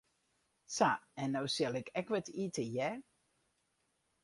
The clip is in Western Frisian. Sa, en no sil ik ek wat ite, hear.